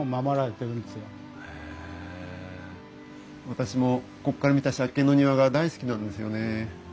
私もこっから見た借景の庭が大好きなんですよね。